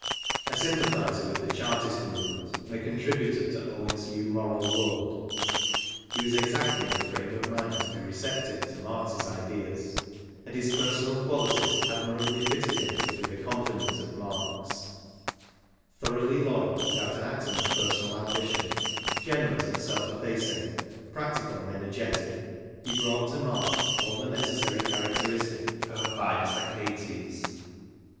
A sympathizer with the Chartist Movement, and a contributor to Owen's New Moral \World, he was exactly in the frame of mind to be recep tive to Marx's ideas. And his personal qualities admirably fitted him to be the complement of Marx. Thoroughly loyal, without an atom of personal ambition, generous, and self effacing, practical and energetic, he brought to Marx all the necessarj' characteristics of a Fidus Achates.